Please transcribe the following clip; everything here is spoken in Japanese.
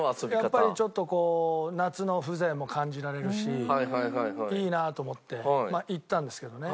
やっぱりちょっとこう夏の風情も感じられるしいいなと思って行ったんですけどね。